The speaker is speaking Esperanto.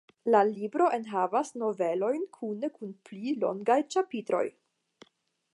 La libro enhavas novelojn kune kun pli longaj ĉapitroj.